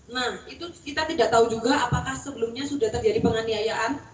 nah itu kita tidak tahu juga apakah sebelumnya sudah terjadi penganiayaan